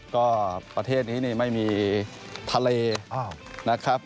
ก็ประเทศนี้ไม่มีทะเลนะครับ